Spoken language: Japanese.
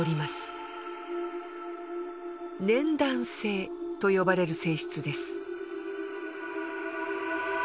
粘弾性と呼ばれる性質です。